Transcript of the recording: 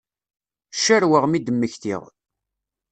Ccarweɣ mi d-mmektiɣ.